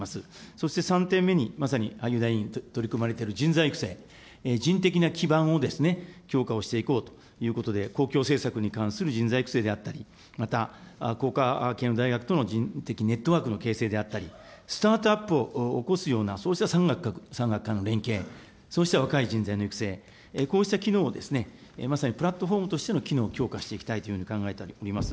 そして３点目に、まさにに取り組まれている人材育成、人的な基盤を強化をしていこうということで、公共政策に関する人材育成であったり、また工科系の大学とのネットワーク形成であったり、スタートアップを起こすようなそうした産学官の連携、そうした若い人材の育成、こうした機能をまさにプラットフォームとしての機能を強化していきたいというふうに考えております。